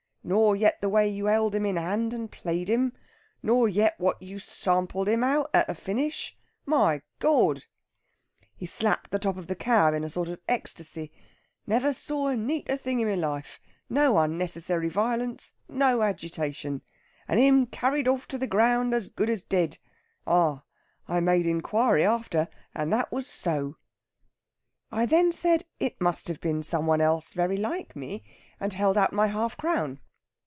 Nor yet the way you held him in hand and played him? Nor yet what you sampled him out at the finish? My Goard!' He slapped the top of the cab in a sort of ecstasy. 'Never saw a neater thing in my life. No unnecessary violence, no agitation! And him carried off the ground as good as dead! Ah! I made inquiry after, and that was so.' I then said it must have been some one else very like me, and held out my half crown.